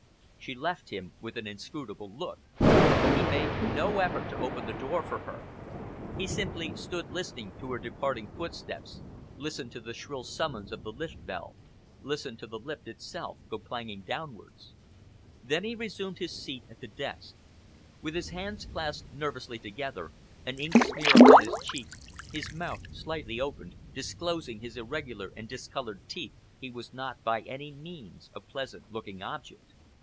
She left him, with an inscrutable look. He made no effort to open the door for her. He simply stood listening to her departing footsteps, listened to the shrill summons of the lift bell, listened to the lift itself go clanging downwards. Then he resumed his seat at his desk. With his hands clasped nervously together, an ink smear upon his cheek, his mouth slightly open, disclosing his irregular and discoloured teeth, he was not by any means a pleasant looking object.